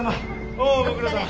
おおご苦労さま。